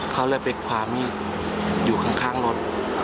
เขาเลยไปคว้ามีดอยู่ข้างรถ